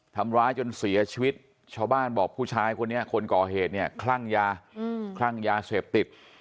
ทำร้ายจนเสียชีวิตชาวบ้านบอกผู้ชายคนนี้คนก่อเหตุเนี่ยคลั่งยาคลั่งยาเสพติด